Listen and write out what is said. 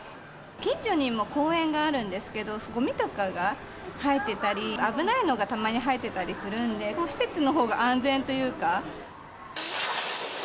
近所にも公園があるんですけど、ごみとかが入ってたり、危ないのがたまに入ってたりするので、施設のほうが安全というか。